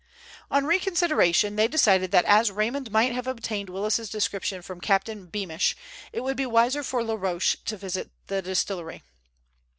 On reconsideration they decided that as Raymond might have obtained Willis's description from Captain Beamish, it would be wiser for Laroche to visit the distillery.